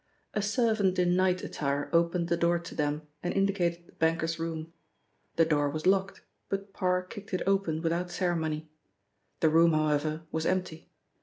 A servant in night attire opened the door to them and indicated the banker's room. The door was locked, but Parr kicked it open without ceremony. The room, however, was empty.